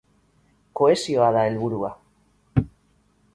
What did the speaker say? Kohesioa da helburua.